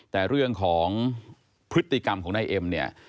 แต่เรื่องของพฤติกรรมของนายเอ็มเนี่ย